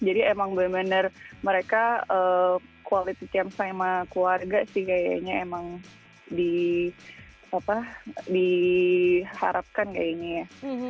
jadi emang benar benar mereka quality time sama keluarga sih kayaknya emang diharapkan kayaknya